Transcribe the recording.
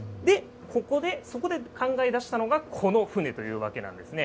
で、そこで考え出したのが、この船というわけなんですね。